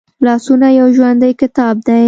لاسونه یو ژوندی کتاب دی